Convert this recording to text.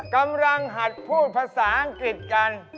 กำลังหัดพูดภาษาอังกฤษกัน